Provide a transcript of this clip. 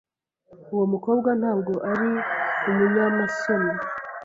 Uwo mukobwa ntabwo ari umunyamasoni.